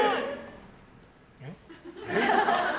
えっ？